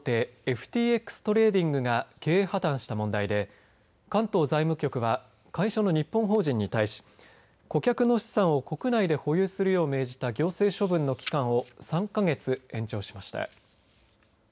ＦＴＸトレーディングが経営破綻した問題で関東財務局は会社の日本法人に対し顧客の資産を国内で保有するよう命じた行政処分の期間を３か月延長しました。